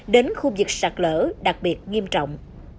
đến khu vực sạch lỡ đặc biệt nghiêm trọng